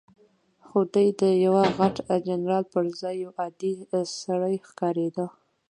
خو دی د یوه غټ جنرال پر ځای یو عادي سړی ښکارېده.